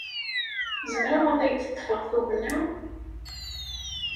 Zemreɣ ad ak-d-ḍḍfeɣ tugna?